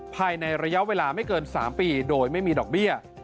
ภายในระยะเวลาไม่เกิน๓ปีโดยไม่มีดอกเบี้ย